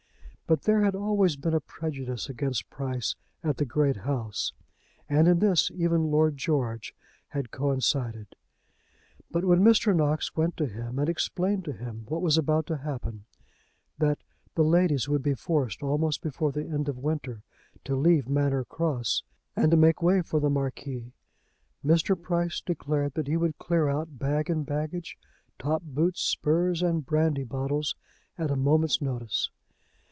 But there had always been a prejudice against Price at the great house, and in this even Lord George had coincided. But when Mr. Knox went to him and explained to him what was about to happen, that the ladies would be forced, almost before the end of winter, to leave Manor Cross and make way for the Marquis, Mr. Price declared that he would clear out, bag and baggage, top boots, spurs, and brandy bottles, at a moment's notice.